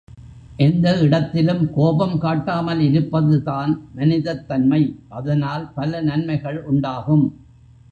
எந்த இடத்திலும் கோபம் காட்டாமல் இருப்பதுதான் மனிதத் தன்மை அதனால் பல நன்மைகள் உண்டாகும்.